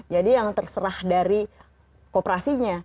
jadi yang terserah dari kooperasinya